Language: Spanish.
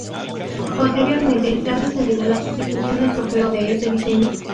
Posteriormente se ha sucedido la sustitución del trofeo de este diseño.